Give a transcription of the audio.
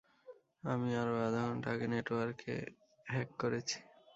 আমি আরো আধা ঘন্টা আগে নেটওয়ার্কে হ্যাক করেছি।